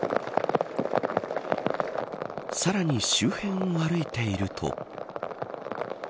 さらに周辺を歩いていると。